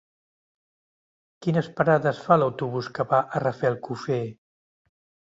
Quines parades fa l'autobús que va a Rafelcofer?